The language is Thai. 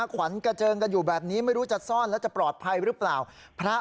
ขวัญกระเจิงกันอยู่แบบนี้ไม่รู้จะซ่อนแล้วจะปลอดภัยหรือเปล่าพระ